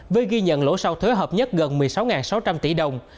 với ghi nhận lỗ sau thuế hợp nhất gần một mươi sáu sáu trăm linh tỷ đồng